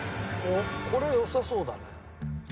おっこれ良さそうだね。